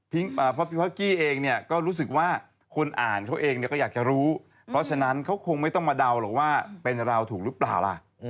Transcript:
เพราะพี่พ็กกี้เองเนี่ยก็รู้สึกว่าคนอ่านเขาเองเนี่ยก็อยากจะรู้เพราะฉะนั้นเขาคงไม่ต้องมาเดาหรอกว่าเป็นเราถูกหรือเปล่าล่ะ